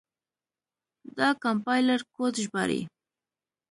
دا کمپایلر کوډ ژباړي.